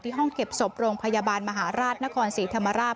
ห้องเก็บศพโรงพยาบาลมหาราชนครศรีธรรมราช